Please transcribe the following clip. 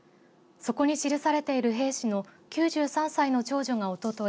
そこに記されている兵士の９３歳の長女が、おととい